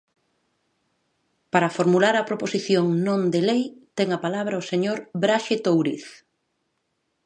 Para formular a proposición non de lei ten a palabra o señor Braxe Touriz.